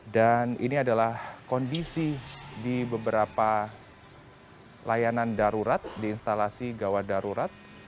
dan ini adalah kondisi di beberapa layanan darurat di instalasi gawat darurat